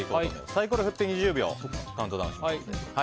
サイコロ振って２０秒カウントダウンします。